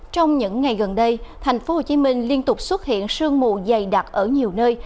trong những ngày gần đây thành phố hồ chí minh liên tục xuất hiện sương mù dày đặc ở nhiều nơi